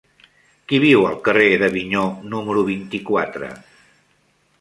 Qui viu al carrer d'Avinyó número vint-i-quatre?